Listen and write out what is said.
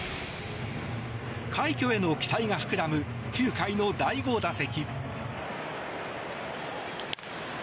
快挙への期待が膨らむ９回の第５打席。